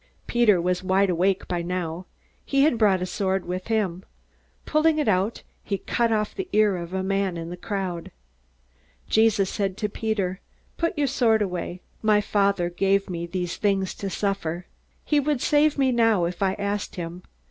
Peter was wide awake by now. He had brought a sword with him. Pulling it out, he cut off the ear of a man in the crowd. Jesus said to Peter: "Put your sword away. My Father gave me these things to suffer. He would save me now if I asked him.